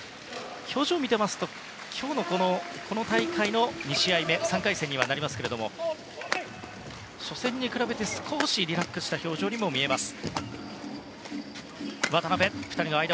表情を見ていると今日は、この大会の２試合目３回戦にはなりますけども初戦に比べて少しリラックスした表情にも見えます。